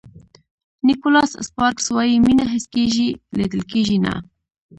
نیکولاس سپارکز وایي مینه حس کېږي لیدل کېږي نه.